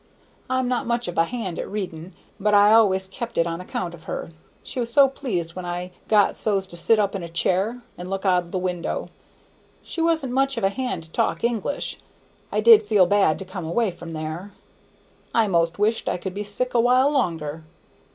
I'm not much of a hand at reading, but I always kept it on account of her. She was so pleased when I got so's to set up in a chair and look out of the window. She wasn't much of a hand to talk English. I did feel bad to come away from there; I 'most wished I could be sick a while longer.